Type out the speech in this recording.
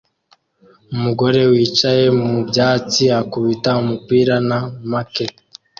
Umugore wicaye mu byatsi akubita umupira na marquet